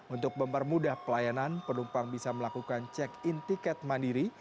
untuk mempermudah pelayanan penumpang bisa melakukan check in tiket mandiri